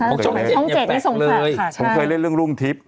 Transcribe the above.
ช่องเจ็ดช่องเจ็ดเนี้ยส่งภาพค่ะใช่ผมเคยเล่นเรื่องรุ่งทริป